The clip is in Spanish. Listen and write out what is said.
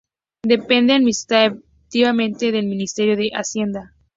Depende Administrativamente del Ministerio de Hacienda.